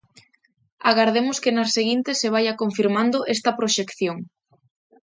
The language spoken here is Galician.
Agardemos que nas seguintes se vaia confirmando esta proxección.